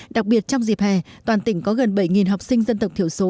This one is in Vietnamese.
đặc biệt trong dịp hè toàn tỉnh có gần bảy học sinh dân tộc thiểu số